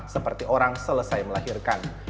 seperti orang selesai melahirkan